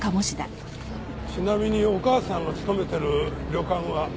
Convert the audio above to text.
ちなみにお母さんが勤めてる旅館は。